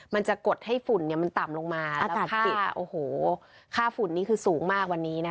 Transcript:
มันจะกดให้ฝุ่นมันต่ำลงมาแล้วค่าฝุ่นนี้คือสูงมากว่านี้นะครับ